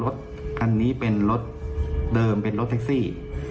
รถคันนี้เป็นรถเดิมเป็นรถแท็กซี่